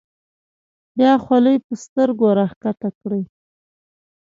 بیا خولۍ په سترګو راښکته کړي.